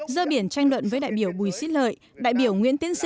dơ biển tranh luận với đại biểu bùi sĩ lợi đại biểu nguyễn tiến sĩ